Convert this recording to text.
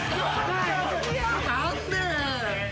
何で！？